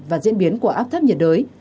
và diễn biến của áp thấp nhiệt đới